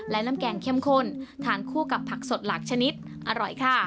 และน้ำแกงเข้มข้นทานคู่กับผักสดหลักชนิดอร่อยค่ะ